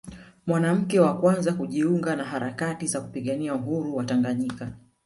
mwanamke wa kwanza kujiunga na harakati za kupigania Uhuru wa Tanganyika